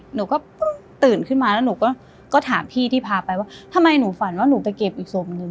หนูก็เพิ่งตื่นขึ้นมาแล้วหนูก็ถามพี่ที่พาไปว่าทำไมหนูฝันว่าหนูไปเก็บอีกศพหนึ่ง